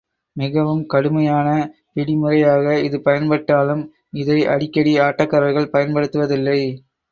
மிகவும் கடுமையான பிடிமுறையாக இது பயன்பட்டாலும், இதை அடிக்கடி ஆட்டக்காரர்கள் பயன்படுத்துவ தில்லை.